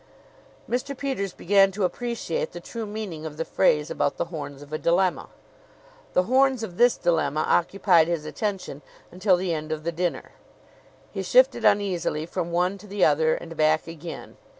Mr. Peters began to appreciate the true meaning of the phrase about the horns of a dilemma. The horns of this dilemma occupied his attention until the end of the dinner. He shifted uneasily from one to the other and back again.